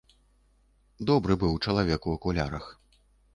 Добры быў чалавек у акулярах.